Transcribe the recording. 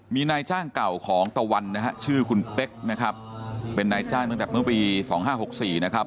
มีนายจ้างเก่าของตะวันนะฮะชื่อคุณเป๊กนะครับเป็นนายจ้างตั้งแต่เมื่อปี๒๕๖๔นะครับ